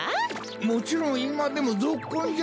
もちろんいまでもぞっこんじゃ！